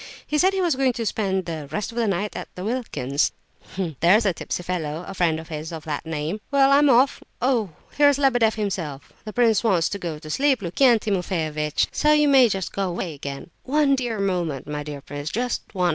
He said he was going to spend 'the rest of the night' at Wilkin's; there's a tipsy fellow, a friend of his, of that name. Well, I'm off. Oh, here's Lebedeff himself! The prince wants to go to sleep, Lukian Timofeyovitch, so you may just go away again." "One moment, my dear prince, just one.